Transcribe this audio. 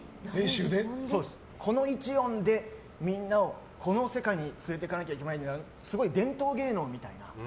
この１音で、みんなをこの世界に連れていかなきゃいけないすごい伝統芸能みたいな。